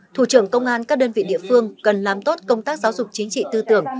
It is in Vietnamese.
thủ trưởng công an các đơn vị địa phương cần làm tốt công tác giáo dục chính trị tư tưởng